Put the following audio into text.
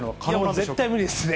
絶対無理ですね。